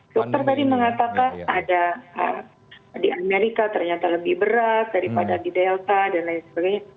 dokter tadi mengatakan ada di amerika ternyata lebih berat daripada di delta dan lain sebagainya